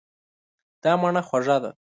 دا مڼه خوږه ده.